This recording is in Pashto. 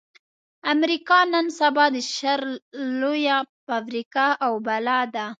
امريکا نن سبا د شر لويه فابريکه او بلا ده.